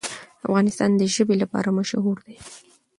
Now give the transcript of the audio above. افغانستان د ژبې لپاره مشهور دی.